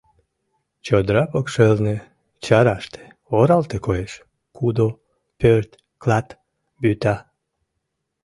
Чодыра покшелне, чараште, оралте коеш: кудо, пӧрт, клат, вӱта.